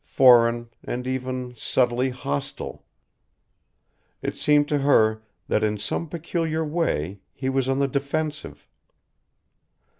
foreign, and even, subtly, hostile. It seemed to her that in some peculiar way he was on the defensive.